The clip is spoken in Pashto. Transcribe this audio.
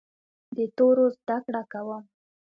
د تورو زده کړه کوم.